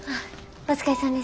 お疲れさんです。